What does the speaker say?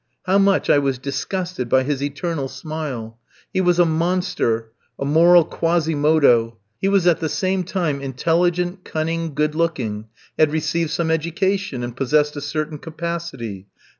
How much I was disgusted by his eternal smile! He was a monster a moral Quasimodo. He was at the same time intelligent, cunning, good looking, had received some education, and possessed a certain capacity.